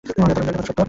মেয়েটার কথা সত্যি।